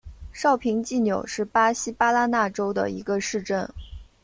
绍平济纽是巴西巴拉那州的一个市镇。